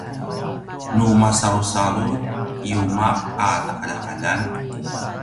nu masalusalut yuma’ a ta’alja’aljan